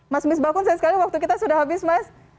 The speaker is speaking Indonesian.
mas misbah pun saya sekalian waktu kita sudah habis mas